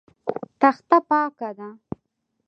تخته پاکه ده.